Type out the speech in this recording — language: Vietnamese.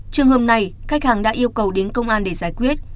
trường hợp này khách hàng đã yêu cầu đến công an để giải quyết